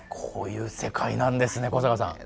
こういう世界なんですね。